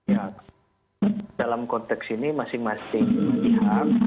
ya dalam konteks ini masing masing pihak